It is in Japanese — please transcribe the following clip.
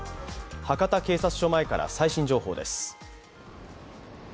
博多警察署前から最新情報です。